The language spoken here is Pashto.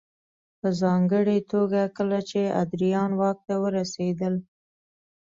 په ځانګړې توګه کله چې ادریان واک ته ورسېدل